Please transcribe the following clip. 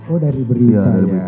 oh dari berita